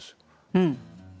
うん。